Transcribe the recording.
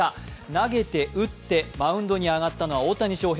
投げて、打って、マウンドに上がったのは大谷翔平。